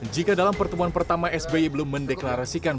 jika dalam pertemuan pertama sby belum mendeklarasikan